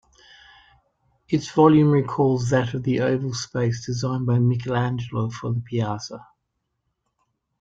Its volume recalls that of the oval space designed by Michelangelo for the piazza.